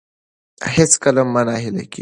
هېڅکله مه ناهیلي کیږئ.